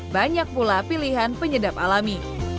banyak pula pilihan penyedap alami